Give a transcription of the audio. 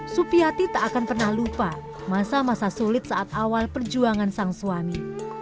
supiati tak akan pernah lupa masa masa sulit saat awal perjuangan sang suami